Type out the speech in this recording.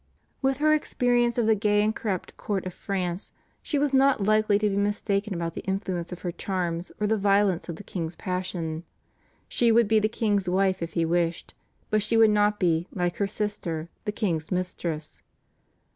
With her experience of the gay and corrupt court of France, she was not likely to be mistaken about the influence of her charms or the violence of the king's passion. She would be the king's wife if he wished; but she would not be, like her sister, the king's mistress.